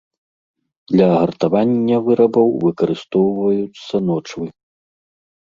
Для гартавання вырабаў выкарыстоўваюцца ночвы.